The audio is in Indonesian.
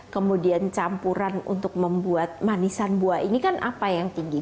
kemudian campuran untuk membuat manisan buah ini kan apa yang tinggi